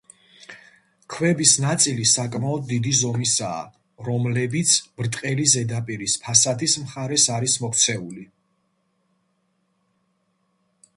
ქვების ნაწილი საკმად დიდი ზომისაა, რომლებიც ბრტყელი ზედაპირის ფასადის მხარეს არის მოქცეული.